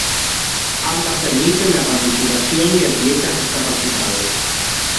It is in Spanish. Ambas permiten la participación de atletas discapacitados.